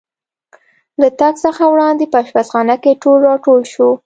له تګ څخه وړاندې په اشپزخانه کې ټول را ټول شو.